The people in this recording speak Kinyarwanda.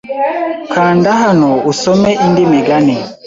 Kanda hano usome indi migani